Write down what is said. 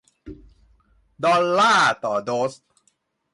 ดอลลาร์ต่อโดส